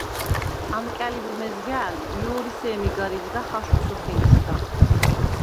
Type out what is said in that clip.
ამკა̈ლიბ მეზგა̄̈ლ ჲო̄რი ი სემი გარ იზგახ აშხვ სოფელისგა.